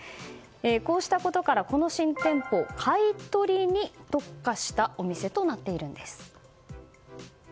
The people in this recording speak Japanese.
こうしたことから、この新店舗買い取りに特化したお店となっているんです。